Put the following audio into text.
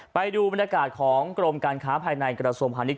ไปดูบรรยากาศของกรมการค้าภายในกระทรวงพาณิช